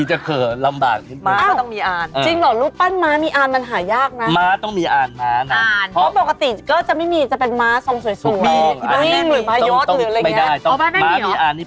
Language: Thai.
ทำให้มีอานระบากมากเลย